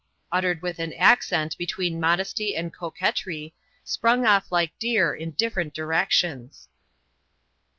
uttered with an accent between modesty and coquetry, sprung off like deer in different directions.